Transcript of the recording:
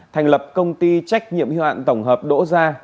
thành lập công ty trách nhiệm hiệu hạn tổng hợp đỗ gia